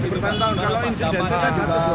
bertahun tahun kalau insiden kita juga